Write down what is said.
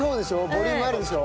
ボリュームあるでしょ。